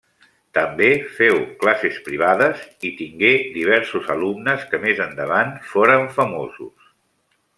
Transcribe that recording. També féu classes privades i tingué diversos alumnes que més endavant foren famosos.